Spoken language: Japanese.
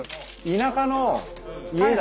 田舎の家だ。